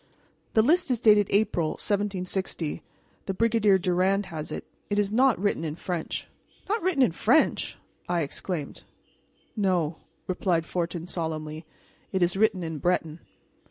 "The list is dated 'April, 1760.' The Brigadier Durand has it. It is not written in French." "Not written in French!" I exclaimed. "No," replied Fortin solemnly, "it is written in Breton."